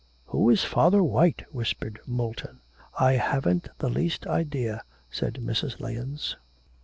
'Who is Father White?' whispered Moulton. 'I haven't the least idea,' said Mrs. Lahens.